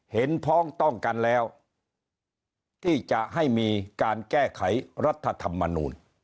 พ้องต้องกันแล้วที่จะให้มีการแก้ไขรัฐธรรมนูล